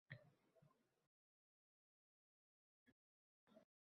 Faqat bir narsa ayon: bu dunyoga biz rizqimizni topib yeyish